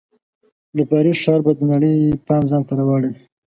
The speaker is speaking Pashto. د پاریس ښار به د نړۍ پام ځان ته راواړوي.